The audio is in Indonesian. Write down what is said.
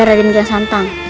benar dia raden kancanta